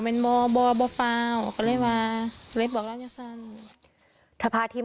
มันมอบอบฟาว